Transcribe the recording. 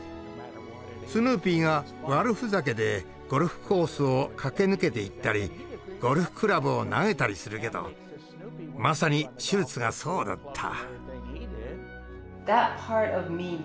スヌーピーが悪ふざけでゴルフコースを駆け抜けていったりゴルフクラブを投げたりするけどまさにシュルツがそうだった。